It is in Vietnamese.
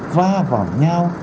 va vào nhau